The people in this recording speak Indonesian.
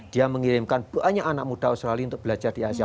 dia mengirimkan banyak anak muda australia untuk belajar di asia